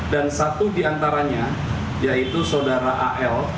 dan satu diantaranya yaitu saudara al